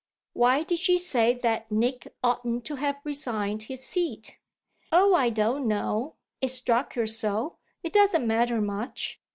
"Why did she say that Nick oughtn't to have resigned his seat?" "Oh I don't know. It struck her so. It doesn't matter much."